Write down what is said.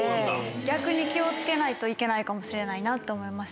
逆に気を付けないといけないかもしれないなと思いました。